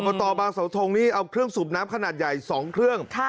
ต่อบางเสาทงนี่เอาเครื่องสูบน้ำขนาดใหญ่๒เครื่อง